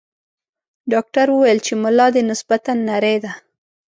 ډاکټر ویل چې ملا دې نسبتاً نرۍ ده.